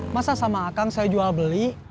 masa sama akang saya jual beli